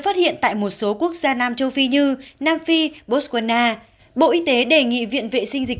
phát hiện tại một số quốc gia nam châu phi như nam phi botswana bộ y tế đề nghị viện vệ sinh dịch